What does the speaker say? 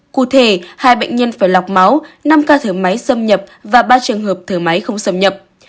cụ thể hai bệnh nhân phải lọc máu năm ca thở máy xâm nhập và ba trường hợp thở máy không xâm nhập